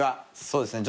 そうですね。